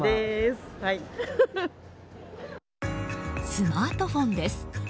スマートフォンです。